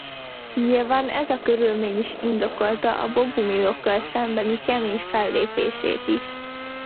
Nyilván ez a körülmény is indokolta a bogumilokkal szembeni kemény fellépését is.